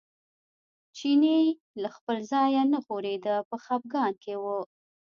چینی له خپل ځایه نه ښورېده په خپګان کې و.